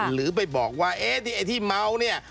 หรือไปบอกว่ามีใครเมาเนี่ย